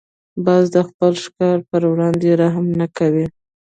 باز د خپل ښکار پر وړاندې رحم نه کوي